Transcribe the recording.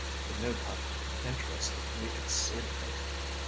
The new comer interested me exceedingly.